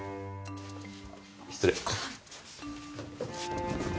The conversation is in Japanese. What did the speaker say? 失礼。